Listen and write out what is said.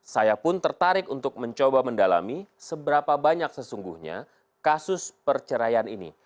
saya pun tertarik untuk mencoba mendalami seberapa banyak sesungguhnya kasus perceraian ini